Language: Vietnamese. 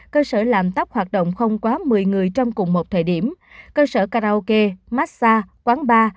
cơ sở làm tóc hoạt động không quá một mươi người trong cùng một thời điểm cơ sở karaoke massage quán bar